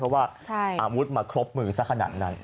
เพราะว่าอาวุธมาครบมือสักขนาดนั้น